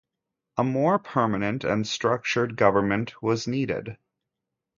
A more permanent and structured government was needed.